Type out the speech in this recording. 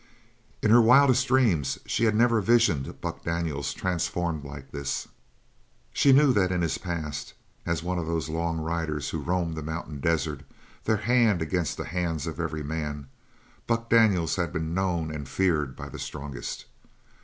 In her wildest dreams she had never visioned Buck Daniels transformed like this. She knew that in his past, as one of those long riders who roam the mountain desert, their hand against the hands of every man, Buck Daniels had been known and feared by the strongest.